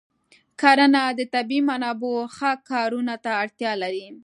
کرنه د طبیعي منابعو ښه کارونه ته اړتیا لري.